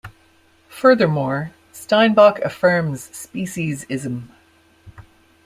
Furthermore, Steinbock affirms speciesism.